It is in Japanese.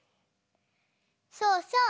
そうそう。